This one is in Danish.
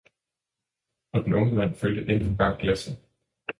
Og den unge mand fyldte endnu engang glassene.